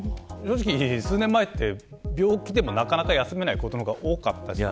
数年前は、病気でもなかなか休めないことの方が多かった。